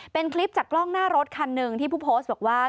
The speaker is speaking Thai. เป็นคลิปจากกล้องหน้ารถคันหนึ่งที่ผู้โพสต์บอกว่า